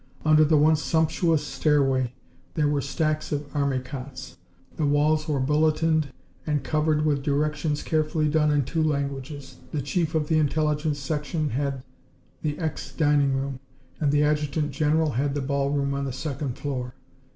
Under the once sumptuous stairway there were stacks of army cots. The walls were bulletined and covered with directions carefully done in two languages. The chief of the Intelligence Section had the ex dining room, and the adjutant general had the ballroom on the second floor.